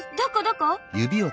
どこ？